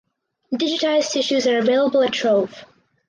Digitised issues are available at Trove.